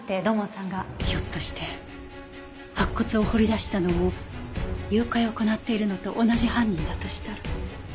ひょっとして白骨を掘り出したのも誘拐を行っているのと同じ犯人だとしたら。